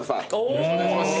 よろしくお願いします。